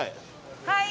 はい。